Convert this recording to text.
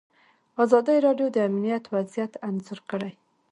ازادي راډیو د امنیت وضعیت انځور کړی.